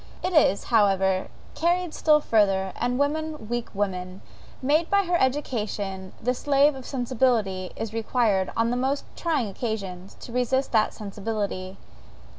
It is, however, carried still further, and woman, weak woman! made by her education the slave of sensibility, is required, on the most trying occasions, to resist that sensibility.